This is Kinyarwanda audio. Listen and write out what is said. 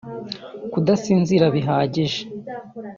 kudasinzira bihagije